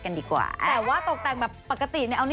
นี่ก็เป็น